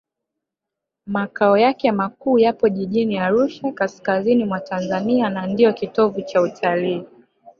makao yake makuu yapo jijini arusha kaskazini mwa tanzania na ndiyo kitovu cha utalii